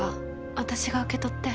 私が受け取って。